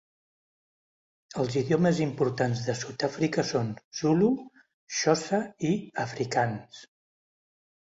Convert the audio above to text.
Els idiomes importants de Sud-àfrica són zulu, xosa i afrikaans.